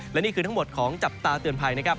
และนี่คือทั้งหมดของจับตาเตือนภัยนะครับ